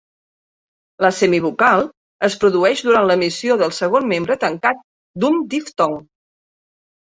La semivocal es produeix durant l'emissió del segon membre tancat d'un diftong.